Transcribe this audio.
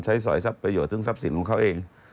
ใช้สอยทรัพย์ประโยชน์ซึ่งทรัพย์สินของเขาเอง